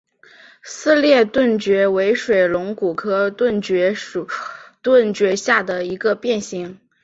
撕裂盾蕨为水龙骨科盾蕨属盾蕨下的一个变型。